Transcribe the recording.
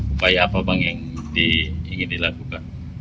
upaya apa bang yang ingin dilakukan